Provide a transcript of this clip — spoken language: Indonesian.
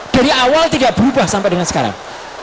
dari awal tidak berubah sampai dengan sekarang